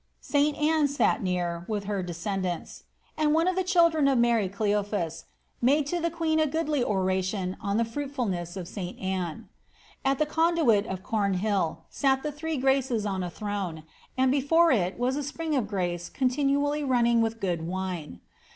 Sl Anne sat near., with her descendants ; and one the children of Mary Cleophas made to the queen a goodly oration the fniitfuhiess of St Anne. At the conduit of Comhill sat the th Graces on a throne, and before it was a spring of grace continually r\ ning with good wine.